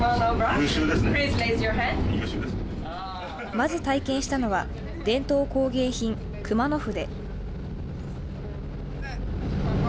まず、体験したのは伝統工芸品熊野筆。